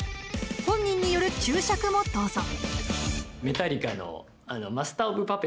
本人による注釈もどうぞ。